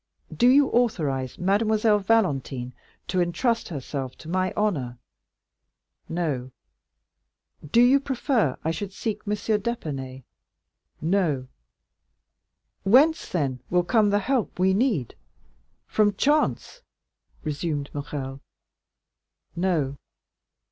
Do you authorize Mademoiselle Valentine to intrust herself to my honor?" "No." "Do you prefer I should seek M. d'Épinay?" "No." "Whence then will come the help we need—from chance?" resumed Morrel. "No."